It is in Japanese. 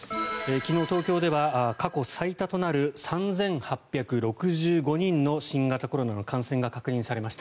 昨日、東京では過去最多となる３８６５人の新型コロナの感染が確認されました。